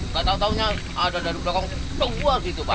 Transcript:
gak tau taunya ada dari belakang keluar gitu pak